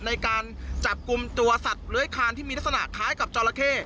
ในการจับกลุ่มตัวสัตว์เลื้อยคานที่มีลักษณะคล้ายกับจอราเข้